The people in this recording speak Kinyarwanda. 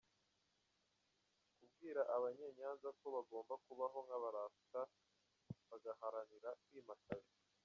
kubwira abanye Nyanza ko bagomba kubaho nkabarasta bagaharanira kwimakaza.